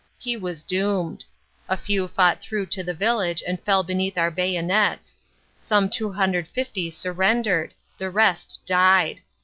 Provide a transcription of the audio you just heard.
He was doomed. A few fought through to the village and fell beneath our bayonets; some 250 surrendered; the rest died.